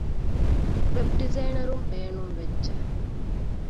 ވެބް ޑިޒައިނަރުން ބޭނުންވެއްޖެ